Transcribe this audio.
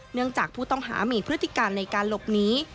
เนื่องจากผู้ต้องหามีพฤติการในการหลบหนี